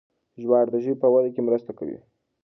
ژباړه د ژبې په وده کې مرسته کوي.